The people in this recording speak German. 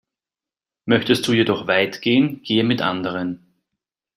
Möchtest du jedoch weit gehen, gehe mit anderen.